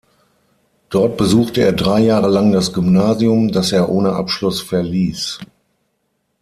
Dort besuchte er drei Jahre lang das Gymnasium, das er ohne Abschluss verließ.